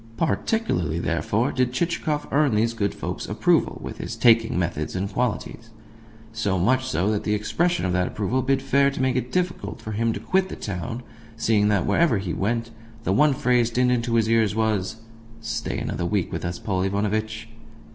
Particularly, therefore, did Chichikov earn these good folk's approval with his taking methods and qualities so much so that the expression of that approval bid fair to make it difficult for him to quit the town, seeing that, wherever he went, the one phrase dinned into his ears was "Stay another week with us, Paul Ivanovitch."